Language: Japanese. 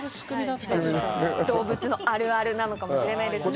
動物のあるあるなのかもしれないですね。